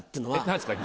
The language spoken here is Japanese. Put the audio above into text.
何ですか？